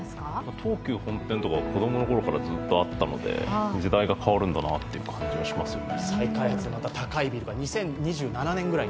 東急本店とか子供のころからずっとあったので、時代が変わるんだなという感じがしますね。